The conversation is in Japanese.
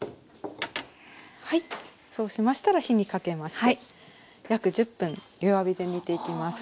そうしましたら火にかけまして約１０分弱火で煮ていきます。